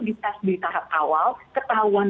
di tes di tahap awal ketahuan